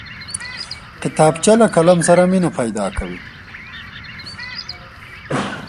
کتابچه له قلم سره مینه پیدا کوي